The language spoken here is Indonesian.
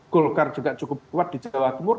golkar juga cukup kuat di jawa timur